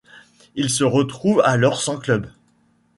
Il se retrouve alors sans club.